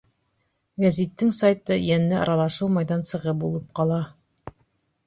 Гәзиттең сайты йәнле аралашыу майҙансығы булып ҡала.